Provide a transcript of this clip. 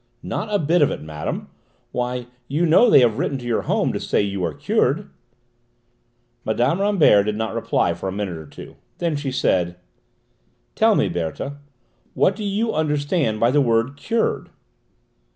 "Not a bit of it, madame. Why, you know they have written to your home to say you are cured?" Mme. Rambert did not reply for a minute or two. Then she said: "Tell me, Berthe, what do you understand by the word 'cured'?"